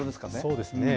そうですね。